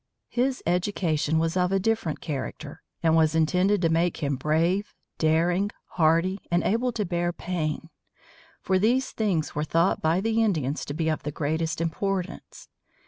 His education was of a different character, and was intended to make him brave, daring, hardy, and able to bear pain; for these things were thought by the Indians to be of the greatest importance.